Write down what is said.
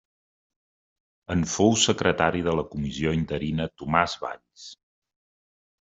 En fou secretari de la comissió interina Tomàs Valls.